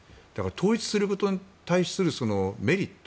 統一することに対するメリット